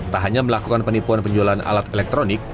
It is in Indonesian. tak hanya melakukan penipuan penjualan alat elektronik